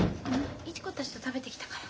市子たちと食べてきたから。